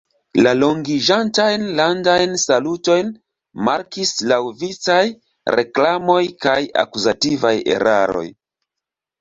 La longiĝantajn landajn salutojn markis laŭvicaj reklamoj kaj akuzativaj eraroj.